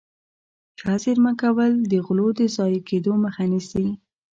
ښه زيرمه کول د غلو د ضايع کېدو مخه نيسي.